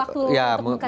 nah itu kita